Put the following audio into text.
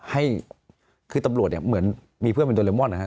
ให้คือตำรวจเหมือนมีเพื่อนเป็นโดรนมอนด์